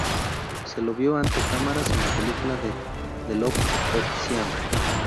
Se lo vio ante cámaras en la película de The Love of Siam.